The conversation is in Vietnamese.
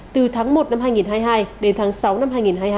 từ tháng một năm hai nghìn hai mươi hai đến tháng sáu năm hai nghìn hai mươi hai